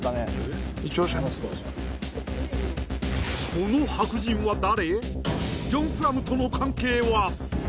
この白人は誰？